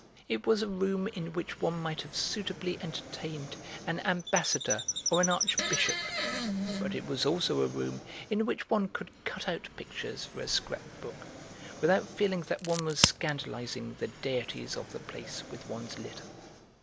It was a room in which one might have suitably entertained an ambassador or an archbishop, but it was also a room in which one could cut out pictures for a scrap book without feeling that one was scandalising the deities of the place with one's litter.